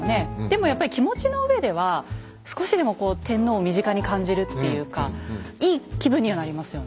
でもやっぱり気持ちの上では少しでもこう天皇を身近に感じるっていうかいい気分にはなりますよね。